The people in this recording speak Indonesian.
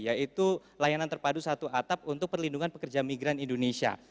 yaitu layanan terpadu satu atap untuk perlindungan pekerja migran indonesia